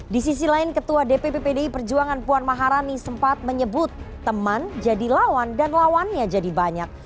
di sisi lain ketua dpp pdi perjuangan puan maharani sempat menyebut teman jadi lawan dan lawannya jadi banyak